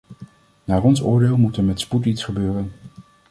Naar ons oordeel moet er met spoed iets gebeuren.